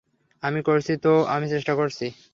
আমি করছি তো, আমি চেষ্টা করছি।